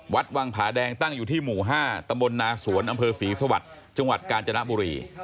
วัดวังผาแดงตั้งอยู่ที่หมู่๕ตำบลนาสวนอำเภอศรีสวรรค์จังหวัดกาญจนบุรี